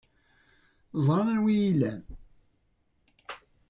Ẓran anwa ay iyi-ilan.